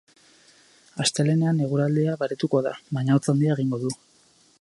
Astelehenean eguraldia baretuko da, baina hotz handia egingo du.